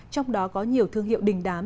trong đó có nhiều thương hiệu đình đám